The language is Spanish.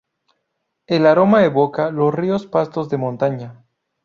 El aroma evoca los ricos pastos de montaña.